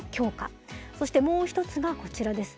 そしてもう一つがこちらです。